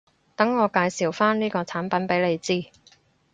等我介紹返呢個產品畀你知